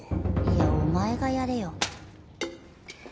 いやお前がやれよ